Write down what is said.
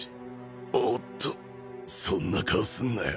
おっとそんな顔すんなよ